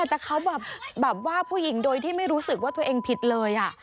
ตะเค้าแบบว่าผู้หญิงโดยที่ไม่รู้สึกว่าคุณผู้หญิงผิดเลย